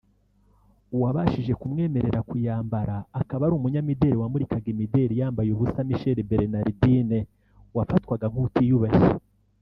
uwabashije kumwemerera kuyambara akaba ari umunyamideli wamurikaga imideli yambaye ubusa Michelle Bernardine wafatwaga nk’utiyubashye